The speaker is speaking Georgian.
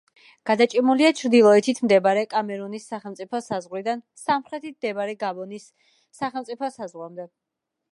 გადაჭიმულია ჩრდილოეთით მდებარე კამერუნის სახელმწიფო საზღვრიდან, სამხრეთით მდებარე გაბონის სახელმწიფო საზღვრამდე.